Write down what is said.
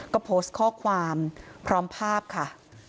ก็โพสต์ข้อความพร้อมภาพค่ะ